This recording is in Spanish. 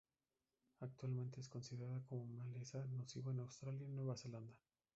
Actualmente es considerada como maleza nociva en Australia y Nueva Zelanda.